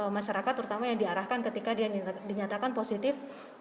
masyarakat yang diarahkan ketika dinyatakan positif